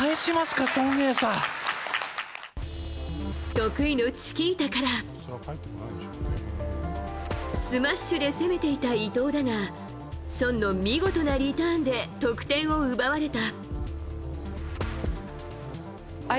得意のチキータからスマッシュで攻めていた伊藤だがソンの見事なリターンで得点を奪われた。